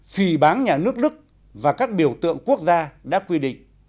phì bán nhà nước đức và các biểu tượng quốc gia đã quy định